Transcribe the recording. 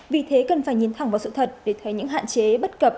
vì thế cần phải nhìn thẳng vào sự thật để thấy những hạn chế bất cập